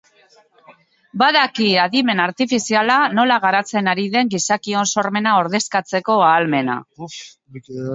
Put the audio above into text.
Badaki adimen artifiziala nola garatzen ari den gizakion sormena ordezkatzeko ahalmena.